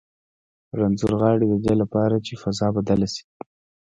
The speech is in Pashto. رنځور غاړي د دې لپاره چې فضا بدله شي.